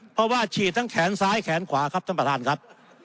เพราะว่าฉีดทั้งแขนซ้ายแขนขวาครับท่านประธานครับ